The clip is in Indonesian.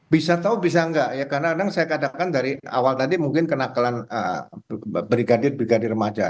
bisa tahu bisa tidak ya karena kadang kadang saya kadang kadang dari awal tadi mungkin kenakalan brigadir brigadir maja